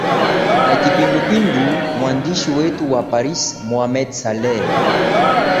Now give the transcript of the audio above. na kipindupindu mwandishi wetu wa paris mohamed saleh